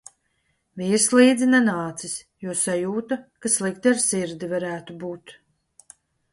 Vīrs līdzi nenācis, jo sajūta, ka slikti ar sirdi varētu būt.